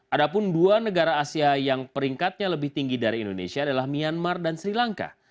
ada pun dua negara asia yang peringkatnya lebih tinggi dari indonesia adalah myanmar dan sri lanka